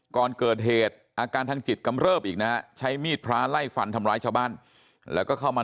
ก่อนเกิดเหตุอาการทางจิตกำเเริบอีกนะใช้มีดพร้าไล่ฟันทำร้ายชาวบ้าน